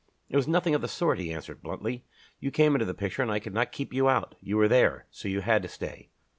"It was nothing of the sort," he answered bluntly. "You came into the picture and I could not keep you out. You were there, so you had to stay."